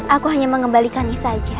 aku hanya mengembalikannya saja